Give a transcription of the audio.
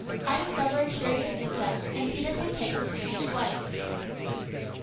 I DISCOVER A CURIOUS INSECT, AND PETERKIN TAKES A STRANGE FLIGHT.